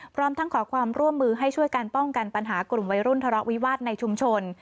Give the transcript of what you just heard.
พร้อมทั้งขอความร่วมมือให้ช่วยการป้องกันปัญหากลุ่มวัยรุ่นทะเลาะวิวาสในชุมชน